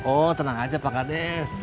oh tenang aja pak kades